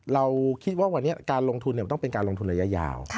เราคิดว่าวันนี้การลงทุนมันต้องเป็นการลงทุนระยะยาว